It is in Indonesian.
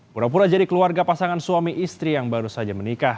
pura pura jadi keluarga pasangan suami istri yang baru saja menikah